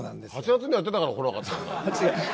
８月にやってたから来なかったんだ。